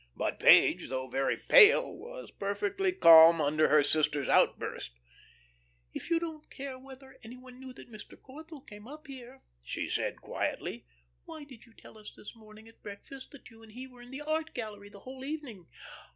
But Page, though very pale, was perfectly calm under her sister's outburst. "If you didn't care whether any one knew that Mr. Corthell came up here," she said, quietly, "why did you tell us this morning at breakfast that you and he were in the art gallery the whole evening?